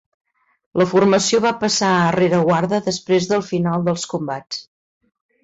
La formació va passar a rereguarda després del final dels combats.